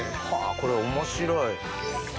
これ面白い。